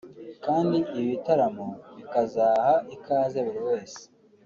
kandi ibi bitaramo bikazaha ikaze buri wese